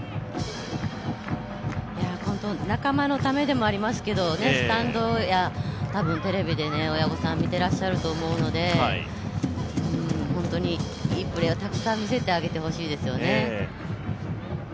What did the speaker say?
仲間のためでもありますけどスタンドやテレビで親御さん見てらっしゃると思うのでいいプレーをたくさん見せてほしいですね。